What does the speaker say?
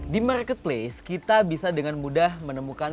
di marketplace kita bisa dengan mudah menemukan